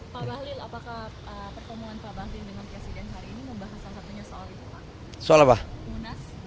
pak bahlil apakah pertemuan pak bahlil dengan presiden hari ini membahas salah satunya soal munas